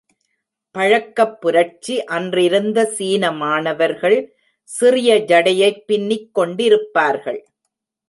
பழக்கப் புரட்சி அன்றிருந்த சீன மாணவர்கள் சிறிய ஜடையைப் பின்னிக் கொண்டிருப்பார்கள்.